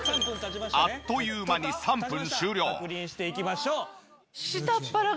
あっという間に３分終了。